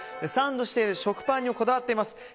サンドしている食パンにもこだわっています。